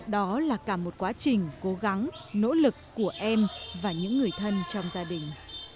đó là cả một quá trình cố gắng nỗ lực của em và những người thân trong gia đình